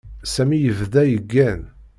Sami yebda yeggan.